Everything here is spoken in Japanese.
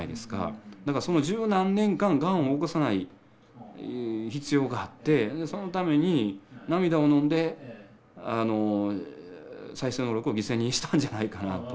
だからその十何年間がんを起こさない必要があってそのために涙をのんで再生能力を犠牲にしたんじゃないかなと。